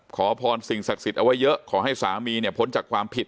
ขอพรสิ่งศักดิ์สิทธิ์เอาไว้เยอะขอให้สามีเนี่ยพ้นจากความผิด